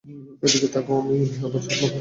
এদিকে তাকাও, আমি আবার চড় মারব।